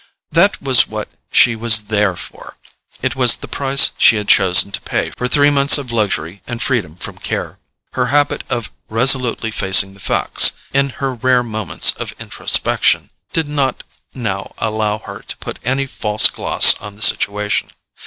That was what she was "there for": it was the price she had chosen to pay for three months of luxury and freedom from care. Her habit of resolutely facing the facts, in her rare moments of introspection, did not now allow her to put any false gloss on the situation.